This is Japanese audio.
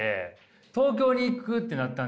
東京に行くってなったんですよ。